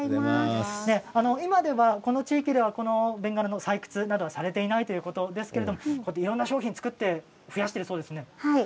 今ではこの地域ではベンガラの採掘などはされていないということですけどもいろんな商品を作って増やしているそうですね。